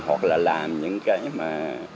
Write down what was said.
hoặc là làm những cái mà